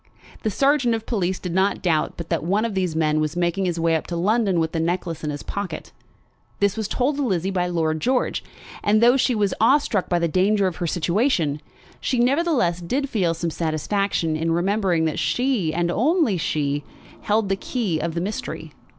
The sergeant of police did not doubt but that one of these men was making his way up to London with the necklace in his pocket. This was told to Lizzie by Lord George; and though she was awe struck by the danger of her situation, she nevertheless did feel some satisfaction in remembering that she and she only held the key of the mystery.